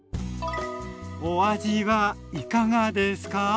お味はいかがですか？